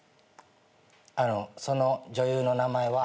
あのその女優の名前は。